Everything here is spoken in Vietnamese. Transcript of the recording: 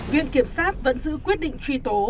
viện kiểm sát vẫn giữ quyết định truy tố